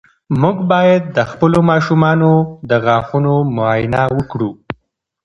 موږ باید د خپلو ماشومانو د غاښونو معاینه وکړو.